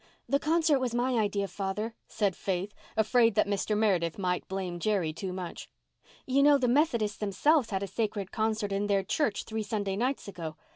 "The concert was my idea, Father," said Faith, afraid that Mr. Meredith might blame Jerry too much. "You know the Methodists themselves had a sacred concert in their church three Sunday nights ago.